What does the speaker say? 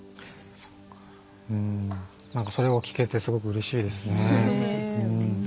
それが聞けてすごくうれしいですね。